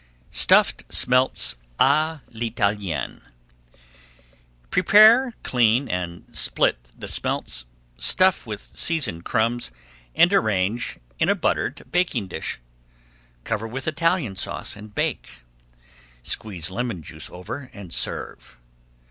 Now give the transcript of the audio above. STUFFED SMELTS À L'ITALIENNE Prepare, clean, and split the smelts, stuff [Page 374] with seasoned crumbs, and arrange in a buttered baking dish, cover with Italian Sauce, and bake. Squeeze lemon juice over and serve.